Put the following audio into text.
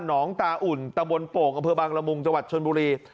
หนองตาอุ่นตำบลโปกอำเภอบางละมุงจวัดชนบุรี